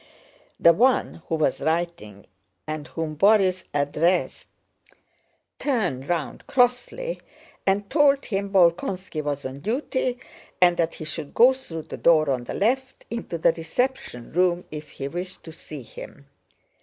The one who was writing and whom Borís addressed turned round crossly and told him Bolkónski was on duty and that he should go through the door on the left into the reception room if he wished to see him.